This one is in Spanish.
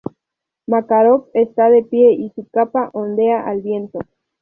Makarov está de pie y su capa ondea al viento.